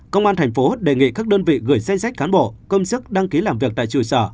công an thành phố đề nghị các đơn vị gửi danh sách cán bộ công chức đăng ký làm việc tại trụ sở